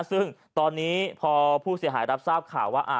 ซึ่งตอนนี้พอผู้เสียหายรับทราบข่าวว่า